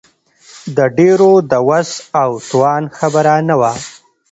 د ډېرو د وس او توان خبره نه وه.